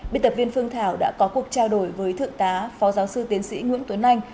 biên tập viên phương thảo đã có cuộc trao đổi với thượng tá phó giáo sư tiến sĩ nguyễn tuấn anh